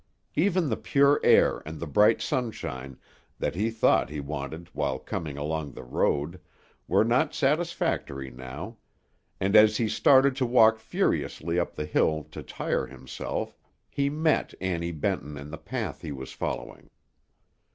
Even the pure air and the bright sunshine, that he thought he wanted while coming along the road, were not satisfactory now; and as he started to walk furiously up the hill, to tire himself, he met Annie Benton in the path he was following.